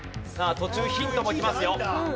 途中ヒントもきますよ。